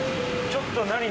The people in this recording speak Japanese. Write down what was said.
ちょっ何？